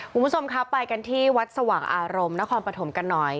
คุณผู้ชมครับไปกันที่วัดสว่างอารมณ์นครปฐมกันหน่อย